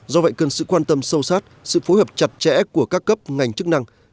do vậy cần sự quan tâm sâu sát sự phối hợp chặt chẽ của các cấp ngành chức năng